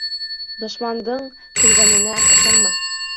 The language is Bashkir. Дошмандың көлгәненә ышанма.